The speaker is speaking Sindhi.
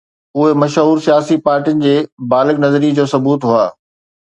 اهي منشور سياسي پارٽين جي بالغ نظري جو ثبوت هئا.